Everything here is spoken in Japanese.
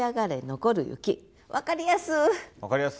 分かりやす。